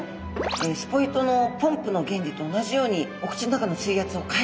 スポイトのポンプの原理と同じようにお口の中の水圧を変えて吸い込んでるようです。